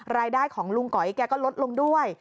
รายได้ของลุงก๋อยแกก็ลดลงด้วย